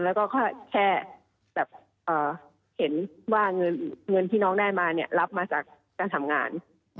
แล้วก็แค่แบบเห็นว่าเงินที่น้องได้มาเนี่ยรับมาจากการทำงาน